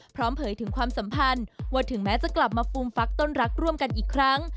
เผยถึงความสัมพันธ์ว่าถึงแม้จะกลับมาฟูมฟักต้นรักร่วมกันอีกครั้ง